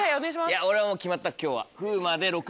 いやもう決まった今日は。